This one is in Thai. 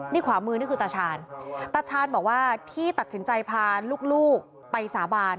นี่ขวามือนี่คือตาชาญตาชาญบอกว่าที่ตัดสินใจพาลูกไปสาบาน